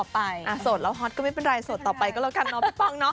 ไปครับไปสิครับ